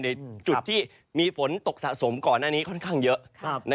ในจุดที่มีฝนตกสะสมก่อนหน้านี้ค่อนข้างเยอะ